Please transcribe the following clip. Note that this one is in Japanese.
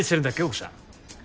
奥さん。